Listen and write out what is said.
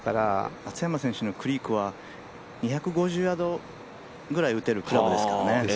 松山選手のクリークは２５０ヤードぐらい打てるクラブですからね。